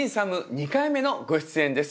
２回目のご出演です。